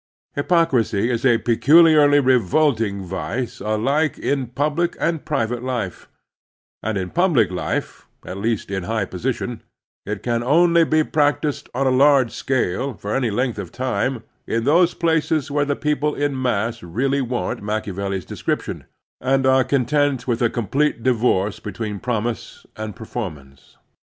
Hypocrisy is a peculiariy revolting vice alike in public and private life; and in public life — ^at least in high position — it can only be practised on a large scale for any length of time in those places where the people in mass really warrant Machiavelli's de scription, and are content with a complete divorce between promise and performance.